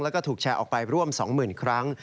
แล้วก็ถูกแชร์ออกไปร่วม๒๐๐๐ครั้ง